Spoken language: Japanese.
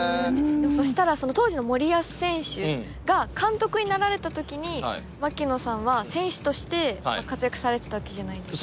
そしたらその当時の森保選手が監督になられた時に槙野さんは選手として活躍されてたわけじゃないですか。